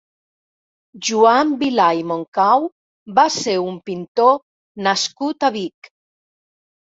Joan Vilà i Moncau va ser un pintor nascut a Vic.